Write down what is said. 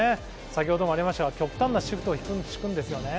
先ほどもありましたが、極端なシフトを敷くんですよね。